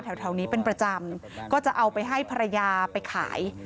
แถวนี้เป็นประจำก็จะเอาไปให้ภรรยาไปขาย